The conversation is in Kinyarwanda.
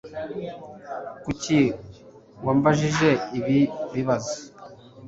Kuki wambajije ibi bibazo?